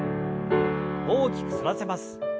大きく反らせます。